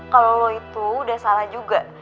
kalau lo itu udah salah juga